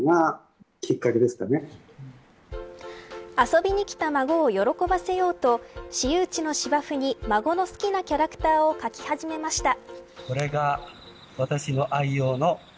遊びに来た孫を喜ばせようと私有地の芝生に孫の好きなキャラクターを描き始めました。